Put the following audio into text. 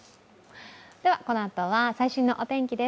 このあとは最新のお天気です。